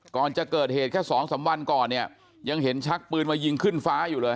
ก่อนจะเกิดเหตุแค่สองสามวันก่อนเนี่ยยังเห็นชักปืนมายิงขึ้นฟ้าอยู่เลย